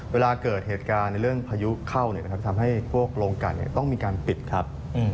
เวลาเกิดเหตุการณ์ในเรื่องพายุเข้าทำให้พวกโรงกันต้องมีการปิดครับ